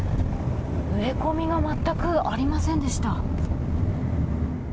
植え込みが全くありませんでした。